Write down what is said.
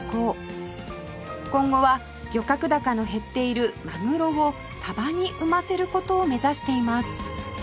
今後は漁獲高の減っているマグロをサバに産ませる事を目指しています